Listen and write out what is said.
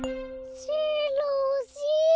しろしろ。